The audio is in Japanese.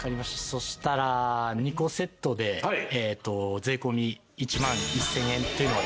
そしたら２個セットでえーっと税込１万１０００円というのは？